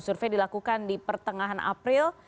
survei dilakukan di pertengahan april